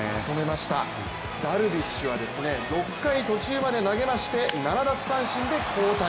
ダルビッシュは６回途中まで投げまして７奪三振で交代。